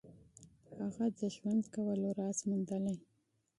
هغه د ژوند کولو راز موندلی.